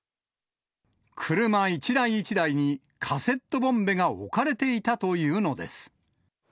車一台一台に、カセットボンベが置かれていたというのです。